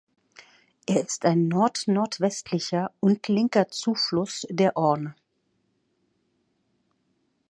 Er ist ein nordnordwestlicher und linker Zufluss der Orne.